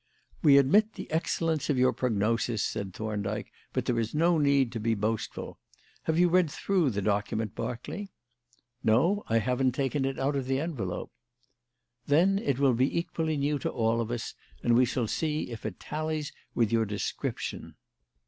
"We admit the excellence of your prognosis," said Thorndyke, "but there is no need to be boastful. Have you read through the document, Berkeley?" "No, I haven't taken it out of the envelope." "Then it will be equally new to us all, and we shall see if it tallies with your description."